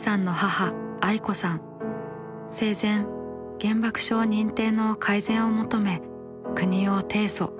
生前原爆症認定の改善を求め国を提訴。